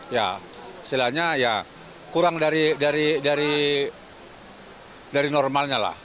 ya istilahnya ya kurang dari normalnya lah